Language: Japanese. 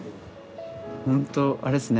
ほんとあれっすね。